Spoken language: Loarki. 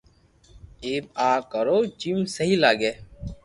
ايم ا ڪرو جيم سھي لاگي